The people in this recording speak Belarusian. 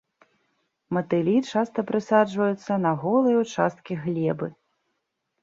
Матылі часта прысаджваюцца на голыя ўчасткі глебы.